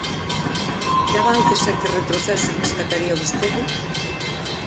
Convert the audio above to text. Que avances e que retrocesos destacaría vostede?